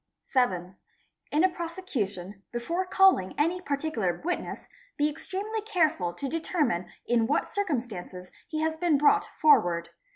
7. Ina prosecution, before calling any particular witness, be ex remely careful to determine in what circumstances he has been brought orward.